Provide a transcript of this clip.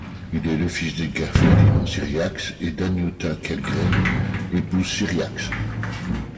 Il est le fils d'Edgar Ferdinand Cyriax et d'Annjuta Kellgren épouse Cyriax.